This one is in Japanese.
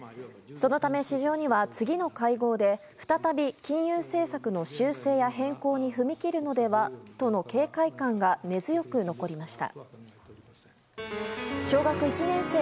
そのため、市場には次の会合で再び金融政策の修正や変更に踏み切るのではとの警戒感が根強く残りました。